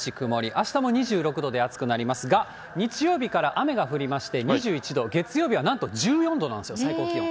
あしたも２６度で暑くなりますが、日曜日から雨が降りまして２１度、月曜日はなんと１４度なんですよ、最高気温。